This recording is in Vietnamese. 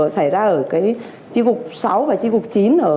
xảy ra ở chi cục sáu và chi cục chín